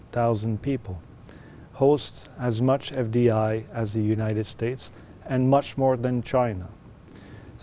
thực hiện nguồn năng lực sức khỏe của như thế của nhật quốc và nhiều hơn là nói chung là trung quốc